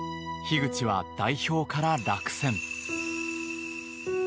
樋口は代表から落選。